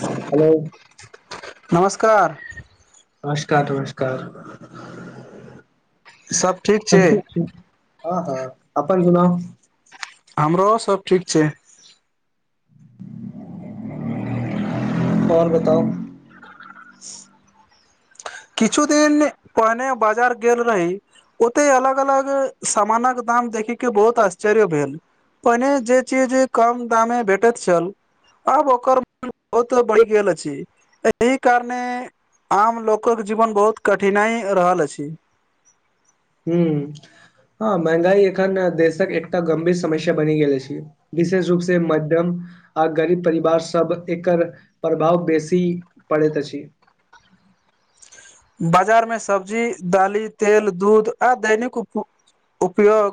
Hello नमस्कार नमस्कार नमस्कार सब ठीक सब ठिक छै हँ हँ अपन सुनाउ आ हमरो सब ठीक छै और बताउ किछु दिन पहिने बाजार गेल रही ओते अलग अलग सामानक दाम देखी के बहुत आश्चर्य भेल पहिने जे चीज कम दामे भेटैत छल आब ओकर मन बहुत बढ़ि गेल अछि एहि कारणे आम लोक लोकक जीवन बहुत कठिनाइ रहल अछि हूं हँ महंगाइ एखन देशक एकटा गम्भीर समस्या बनी गेल अछी विशेष रूप से मध्यम आ गरीब परिवार सब एकर प्रभाव बेसी पड़ैत अछि बाजार में सब्जी दाली तेल दूध आ दैनिक उप उपयोग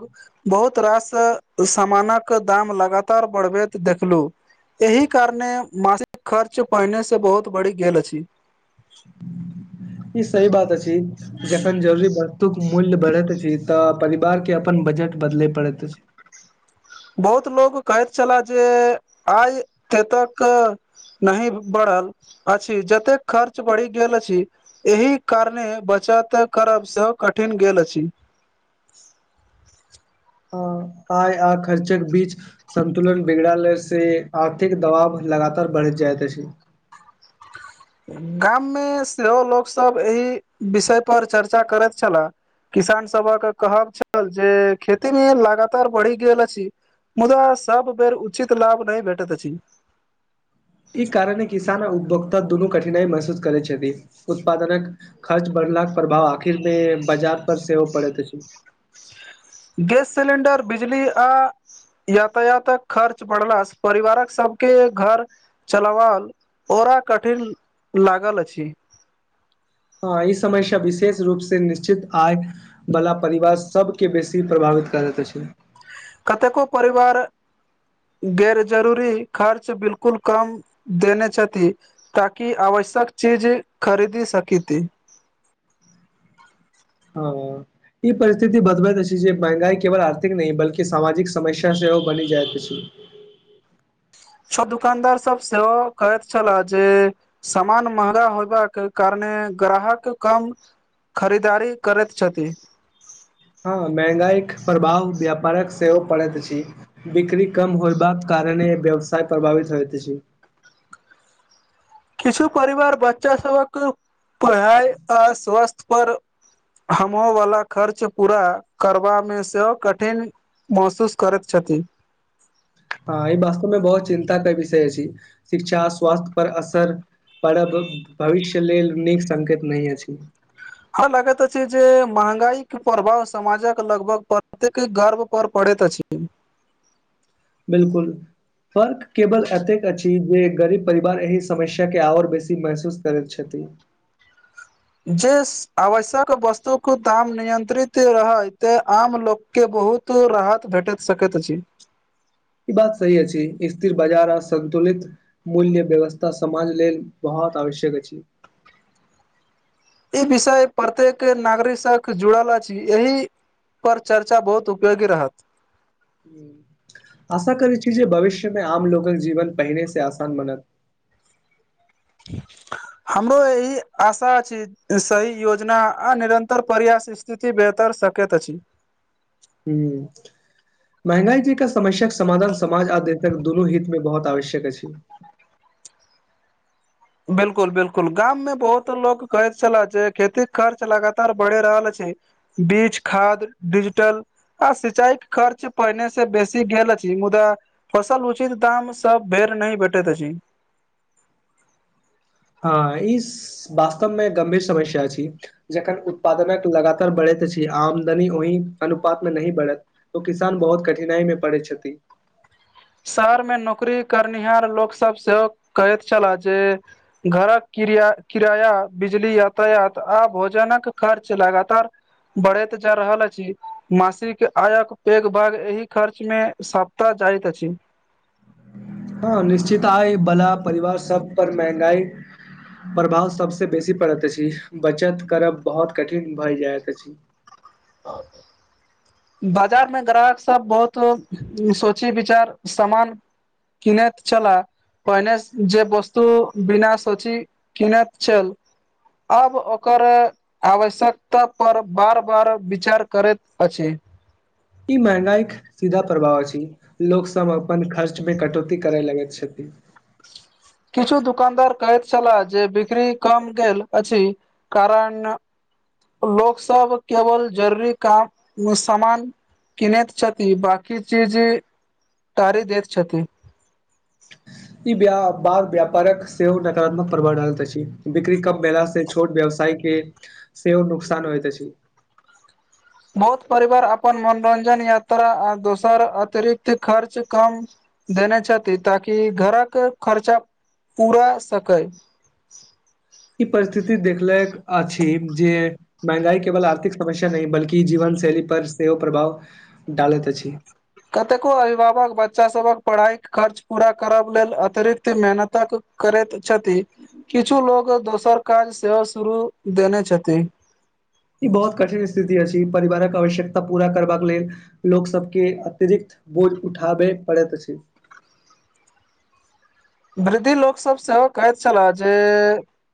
बहुत रास सामानक दाम लगातार बढ़बैत देखलौं एहि कारणे मासिक खर्च पहिनेसँ बहुत बढ़ि गेल अछि ई सही बात अछि जखन जरूरी वस्तुक मूल्य बढ़ैत अछि तऽ परिवार के अपन बजट बदले पड़ैत अछि बहुत लोग कहैत छले जे आय ए तक नही बढ़ल अछि जतेक खर्च बढ़ि गेल अछि एहि कारणे बचत करब सेहो कठिन गेल अछि हाँ, आय आ खर्चक बीच संन्तुलन बिगड़ले से आर्थिक दबाव लगातार बढ़ि जाइत अछि गाममे सेहो लोकसभ एहि विषयपर चर्चा करैत छलाह किसान सबक कहब छल जे खेती मे लगातार बढ़ि गेल अछि मुदा सब बेर उचित लाभ नहि भेटैत अछि ई कारण किसान आ उदभोक्ता दुनू कठिनाइ महसूस करै छथि उत्पादनक खर्च बढ़लाक प्रभाव आखिर मे बाजार पर सेहो पड़ैत अछि गेस सिलेंडर बिजली आ यातायातक खर्च बढ़लास परिवारक सबके घर चलावाल ओरा कठिन लागल अछि ह ई समस्या विशेष रूप से निश्चित आय वाला परिवार सबके बेसी प्रभावित करैत अछि कतेको परिवार गैर जरूरी खर्च बिल्कुल कम देने छथि ताकि आवश्यक चीज खरीदी सकिति हं ई परिस्थिति बतबैत अछि जे महंगाई केवल आर्थिक नहि बल्कि समाजिक समस्या सेहो बनि जाइत अछि सभ दुकानदार सब सेहो कहैत छलाह जे समान महंगा होयबाक कारणे ग्राहक कम खरीदारी करैत छथि हँ महगांईक प्रभाव व्यापारक सेहो पड़ैत अछि बिक्री कम होयबाक कारने व्यवसाय प्रभावित होइत अछि किछु परिवार बच्चा सबक पढ़ाई आ स्वास्थ्य पर हमो वाला खर्च पूरा करबामे सेहो कठिन महसूस करैत छथि हँ ई वास्तव मे बहुत चिन्ता के विषय अछि शिक्षा स्वास्थ्य पर असर पर भविष्य लेल नीक संकेत नहि अछि हाॅं लागैत अछि जे महगांई के प्रभाव समाजक लगभग प्रत्येक घर पर पड़ैत अछि बिल्कुल फर्क केवल एतेक अछि जे गरीब परिवार एहि समस्या के आओर बेसी महसूस करैत छथि जे आवश्यक वस्तुके दाम नियन्त्रित रहय तै आम लोक के बहुत राहत भेटैत सकैत अछि ई बात सही अछि स्थिर बाजार सन्तुलित मूल्य व्यवस्था समाज लेल बहुत आवश्यक अछि ई विषय प्रत्येक नागरिक सॅं जुड़ल अछि एहि पर चर्चा बहुत उपयोगी रहत हम्म। आशा करै छी जे भविष्यमे आम लोकक जीवन पहिने से आसान बनत ह हमरो एहि आशा अछि सही योजना आ निरन्तर प्रयास स्थिति बेहतर सकैत अछि हू महंगाई जे के समस्याक समाधान समाज आ देशक दुनू हित मे बहुत आवश्यक अछि बिल्कुल बिल्कुल गाम मे बहुत लोग कहैत छले जे खेती खर्च लगातार बढ़ि रहल अछि बीच खाद डिजिटल आ सिंचाई के खर्च पहिने से बेसी गेल अछि मुदा फसल उचित दाम सब भेर नहि भेटैत अछि हँ ई वास्तवमे गंभीर समस्या छी जखन उत्पादनक लगातार बढ़ैत अछि आमदनी ओहि अनुपात मे नहि बढ़ैत ओ किसान बहुत कठिनाई मे पड़ैत छथि शहर मे नौकरी करनिहार लोक सब सेहो कहैत छला जे घरक किराया बिजली यातायात आ भोजनक खर्च लगातार बढ़े तऽ जा रहल अछि मासिक आयक पेघ भाग एहि खर्च मे सप्ताह जाइत अछि [unintelligible] हँ निश्चित आइ बला परिवार सब पर महंगाई प्रभाव सबसे बेसी पड़ैत अछि बचत करब बहुत कठिन भए जाइत अछि [unintelligible] बाजार में ग्राहक सब बहुत लोक सोची विचार सामान किनेैत चला पहिने जे वस्तु बिना सोची किने छैल अब ओकर आवश्यकता पर बार बार विचार करैत अछि ई महगाइ इक सीधा प्रभाव छै लोक सब अपन खर्च मे कटौती करय लगैत छथिन किछु दुकानदार कहैत छलाह जे बिक्री कम गेल अछि कारण लोक सब केवल जरूरी काम सामान किनैत छथि बाकी चीज टारि दैत छथि ई बार व्यापारक सेहो नकारात्मक प्रभाव डालैत अछि बिक्री कम भेला से छोट व्यवसाय के सेहो नुकसान होइत अछि बहुत परिवार अपन मनोरंजन यात्रा आ दोसर अतिरिक्त खर्च कम देने छथि ताकि घरके खर्चा पूरा सकै ई परिस्थिति देखले अछि जे महंगाई केवल आर्थिक समस्या नहि बल्कि जीवन शैली पर सेहो प्रभाव डालैत अछि कतेको अभिभावक बच्चाभक पढ़ाइ खर्च पूरा करब लेल अतिरिक्त मेहनतक करैत छथि किछु लोग दोसर काज सेहो शुरू देने छथि ई बहुत कठिन स्थिति अछि ई परिवारक आवश्यकता पूरा करबाक लेल लोक सबके अतिरिक्त बोझ उठाबे पड़ैत अछि वृद्धि लोकसभ सेहो कहैत छलाह जे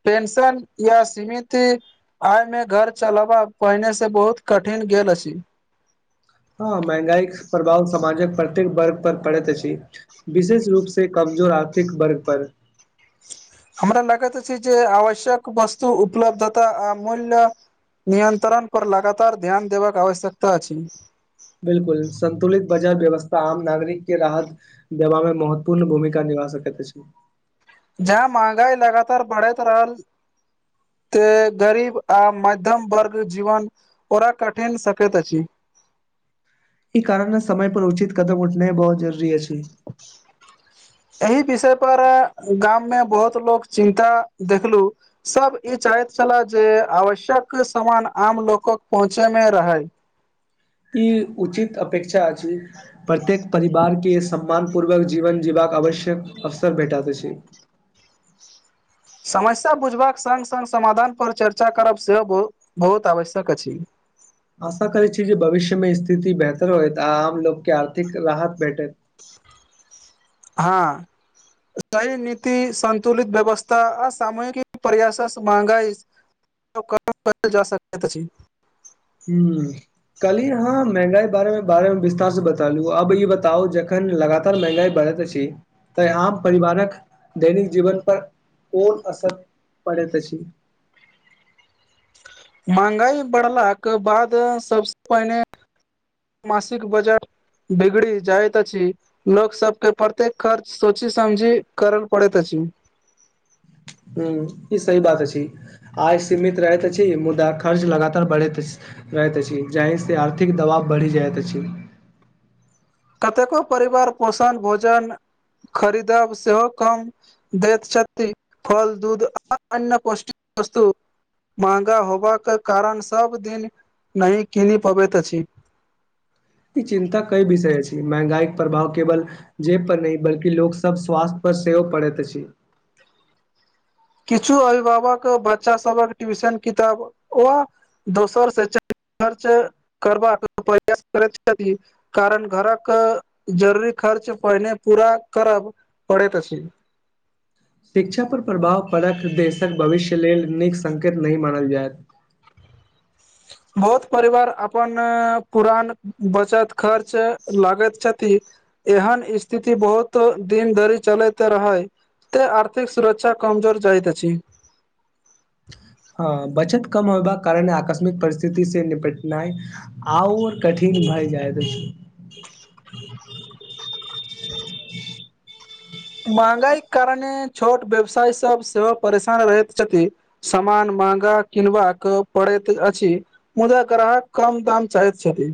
पेंशन या सीमिति आय मे घर चलबा पहिने से बहुत कठिन गेल अछि हँ मैहंगाई प्रभाव समाजक प्रत्येक वर्ग पर पड़ैतस अछि विशेष रूप से कमजोर आर्थिक वर्ग पर हमरा लागैत छै जे आवश्यक वस्तु उपलब्धता अमूल्य नियन्त्रण पर लगातार ध्यान देबाक आवश्यकता अछि बिलकुल संतुलित बाजार व्यवस्था आम नागरिक के राहत देबा मे महत्वपूर्ण भूमिका निभा सकैत अछि जहाँ महंगाई लगातार बढ़ैत रहल तऽ गरीब आ मध्यम वर्ग जीवन ओकरा कठिन सकैत अछि ई कारण ने समय पर उचित कदम उठना बहुत जरूरी अछि एहि विषयपर गाममे बहुत लोक चिन्ता देखलू सभ ई चाहैत छलह जे आवश्यक सामान आम लोकक पहुँचेमे रहय ई उचित अपेक्षा अछि प्रत्येक परिवारके सम्मान पूर्वक जीवन जीबाक आवश्यक अवसर भेटैत अछि समस्या बुझबाक सङ्ग सङ्ग समाधान पर चर्चा करब सेहो बहुत आवश्यक अछि आशा करैत छी जे भविष्यमे स्थिति बेहतर होइत आ आम लोकके आर्थिक राहत भेटैत हँ सही नीति सन्तुलित व्यवस्था आ सामूहिक प्रयासस महंगाई जा सकत अछि [unintelligible] हू कल्ही हम महंगाई बारे मे बारे में विस्तार से बतेलु अब ई बताउ जखन लगातार महंगाई बढ़त झ अछि तऽ आम परिवारक दैनिक जीवन पर कोन असर परैत अछि महंगाई बढ़लाक बाद सबसे पहिने मासिक बजट बिगड़ी जाय छी लोक सबके प्रत्येक खर्च सोची समझी करल पड़ैत अछि हूं ई सही बात अछि आय सीमित रहैत अछि मुदा खर्च लगातार बढ़ैत अछि रहैत अछि जाहिसँ आर्थिक दबाव बढ़ि जाइत अछि कतेको परिवार पोषण भोजन खरीदब सेहो कम देत छथि फल दूध आ अन्य पौष्टिक वस्तु महंगा होबाकऽ कारण सब दिन नहि कीनि पबैत अछि ई चिन्ता कई विषय छी महंगाईक प्रभाव केवल जेब पर नहि बल्कि लोक सब स्वास्थय पर सेहो पड़ैत अछि किछु अभिभावक बच्चा सबक ट्यूशन किताब ओ दोसर से खर्च करबाक प्रयास करैत छथि कारण घरक जरूरी खर्च पहिने पूरा करब पड़ैत अछि शिक्षापर प्रभाव पड़त देशक भविष्य लेल नीक संकेत नहि मानल जायत बहुत परिवार अपन पुरान बचत खर्च लागैत छथि एहन स्थिति बहुतो दिन धरि चलैत रहै ते आर्थिक सुरक्षा कामजोर जाइत अछि हँ बचत कम होयबाक कारणे आकस्मिक परिस्थिति से निपटनाइ आउर कठिन भए जाईत अछि [inaudible] मंहगाईक कारणे छोट व्यवसाय सब सेहो परेशान रहैत छथि सामान महंगा किनबाक पड़ैत अछि मुदा ग्राहक कम दाम चाहैत छथि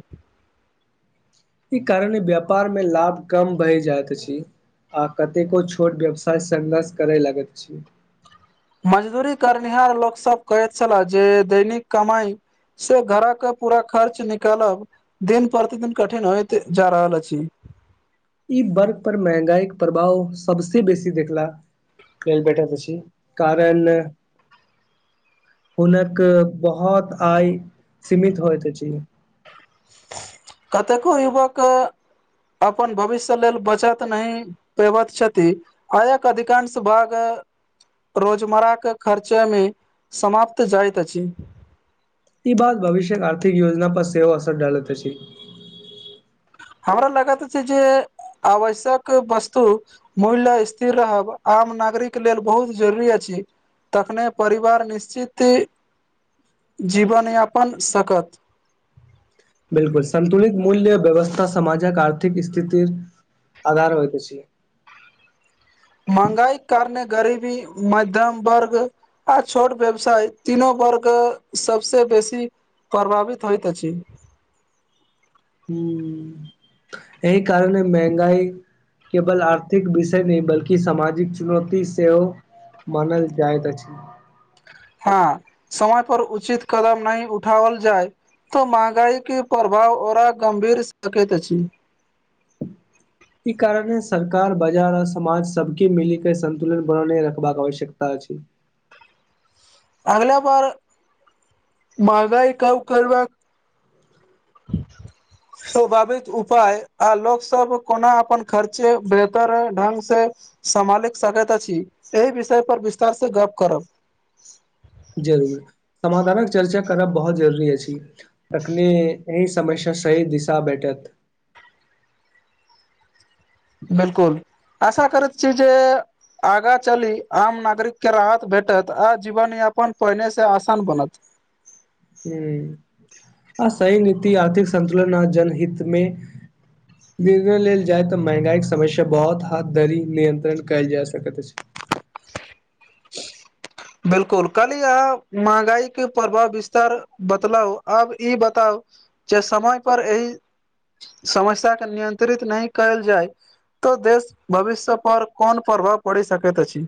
ई कारणे व्यापार मे लाभ कम भहि जाइत अछि आ कतेको छोट व्यवसाय संघर्ष करय लगैत छै मजदूरी करनिहार लोकसभ कहैत छले जे दैनिक कमाई सो घरा के पूरा खर्च निकालब दिन प्रतिदिन कठिन होइत जा रहल अछि ई वर्ग पर महँंगाईक प्रभाव सबसे बेसी देखला कर [unintelligible] बैटर कारण हुनक बहोत आय सीमित होइत अछि कतेको युवक अपन भविष्य लेल बचत नहि करैत छथी आयक अधिकांश भाग रोजमर्रा के खर्चामे समाप्त जाइत अछि ई बात भविष्य आर्थिक योजना पर सेहो असर डालैत अछि हमरा लगत छै जे आवश्यक वस्तु मूल्य स्थिर रहब आम नागरिक लेल बहुत जरूरी अछि तखने परिवार निश्चित जीवन यापन सकत बिलकुल सन्तुलित मूल्य व्यवस्था समाजक आर्थिक स्थिति आधार होइत अछि महंगाई कारने गरीबी मध्यम वर्ग आ छोट व्यवसाय तीनो वर्ग सबस बेसी प्रभावित होइत अछि हूं एहि कारण महंगाई केवल आर्थिक विषय नहि बल्कि सामाजिक चुनौती सेहो मानल जाइत अछि हँ समय पर उचित कदम नहि उठाओल जाय तऽ महगाई के प्रभाव औरा गंभीर सकत अछि ई कारणे सरकार बाजार आ समाज सबके मिल के सन्तुलन बनने रखबाक आवश्यकता अछि अगला बार महगाई कव करबा [inaudible] स्वभाविक उपाय आ लोक सब कोना अपन खर्चे बेहतर ढंग से सम्हालि सकैत अछि एहि विषय पर विस्तार से गप करब जरूर समाधानक चर्चा करब बहुत जरुरी अछि तखने एहि समस्या सही दिशा भेटत बिलकुल आशा करत छी जेे आगाँ चली आम नागरिक के राहत भेटत आ जीवन यापन पहिने से आसान बनत हुं आ सही नीति आर्थिक संतुलन आ जन हितमे निर्णय लेल जाय तऽ महंगाई के समस्या बहुत हाथ धरी नियंत्रण कयल जा सकैत अछि बिलकुल कल यहाँ महगाई के प्रभाव विस्तार बतलाउ आब ई बताउ जे समय पर एहि समस्याके नियन्त्रित नहि कयल जाय त देश भविष्य पर कोन प्रभाव पड़ि सकैत अछि